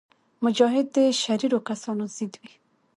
مجاهد د شریرو کسانو ضد وي.